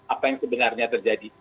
apa yang sebenarnya terjadi